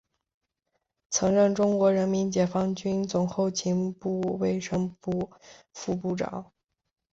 曾任中国人民解放军总后勤部卫生部副部长。